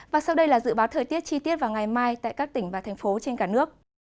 và sau đây là dự báo thời tiết chi tiết vào ngày mai tại các tỉnh và thành phố trên cả nước